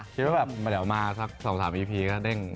คิดว่าแบบเดี๋ยวมาสัก๒๓อีพีก็เด้ง